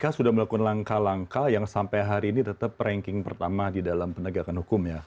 kpk sudah melakukan langkah langkah yang sampai hari ini tetap ranking pertama di dalam penegakan hukum ya